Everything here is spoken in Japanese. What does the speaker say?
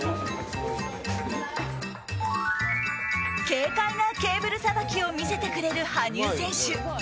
軽快なケーブルさばきを見せてくれた羽生選手。